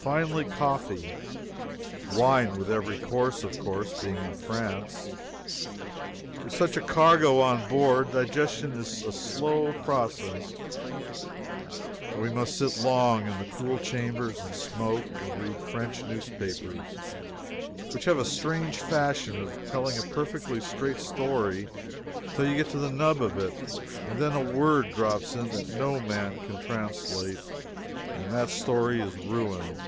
finally coffee. Wine with every course, of course, being in France. With such a cargo on board, digestion is a slow process, and we must sit long in the cool chambers and smoke and read French newspapers, which have a strange fashion of telling a perfectly straight story till you get to the "nub" of it, and then a word drops in that no man can translate, and that story is ruined.